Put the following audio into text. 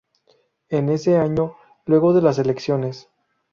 En ese año, luego de las elecciones.